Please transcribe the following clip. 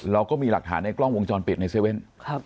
เราก็มีหลักฐานในกล้องวงจรเปล็ดในเซเวน